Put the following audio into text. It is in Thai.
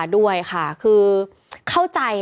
ด้วยค่ะคือเข้าใจ